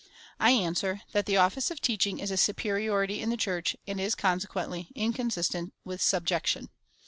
I answer, that the office of teaching^ is a superiority in the Church, and is, consequently, inconsistent with subjection.